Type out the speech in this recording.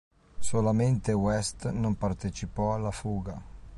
Solamente West non partecipò alla fuga.